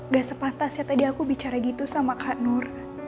gak sepatas ya tadi aku bicara gitu sama kak nur